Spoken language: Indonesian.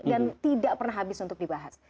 dan tidak pernah habis untuk dibahas